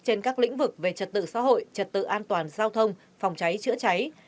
trên các lĩnh vực về trật tự xã hội trật tự an toàn giao thông phòng cháy chữa cháy